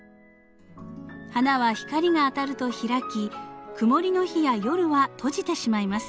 花は光が当たると開き曇りの日や夜は閉じてしまいます。